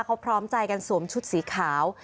เขาพร้อมใจกันสวมชุดสีขาว